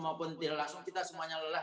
maupun tidak langsung kita semuanya lelah